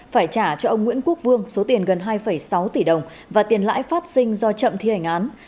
phải trả cho ông nguyễn quốc vương số tiền gần hai sáu tỷ đồng và tiền lãi phát sinh do chậm thi hành án